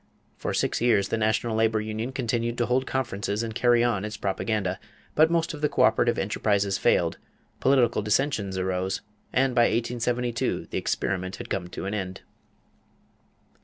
For six years the National Labor Union continued to hold conferences and carry on its propaganda; but most of the coöperative enterprises failed, political dissensions arose, and by 1872 the experiment had come to an end.